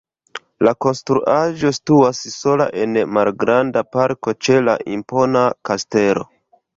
La konstruaĵo situas sola en malgranda parko ĉe la impona kastelo.